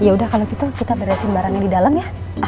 ya udah kalau gitu kita beresin barangnya di dalam ya